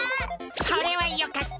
それはよかった。